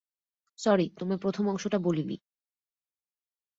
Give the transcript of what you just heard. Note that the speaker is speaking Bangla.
স্যরি, তোমায় প্রথম অংশটা বলিনি।